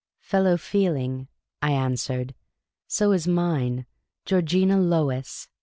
"Fellow feeling," I answered. " So is mine, Georgina Lois.